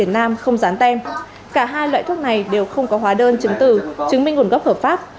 cả hai loại thuốc này đều không có hóa đơn chứng từ chứng minh nguồn gốc hợp pháp